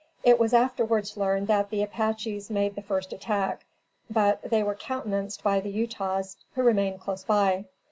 It was afterwards learned that the Apaches made the first attack, but, they were countenanced by the Utahs, who remained close by.